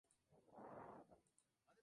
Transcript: Fin del mandato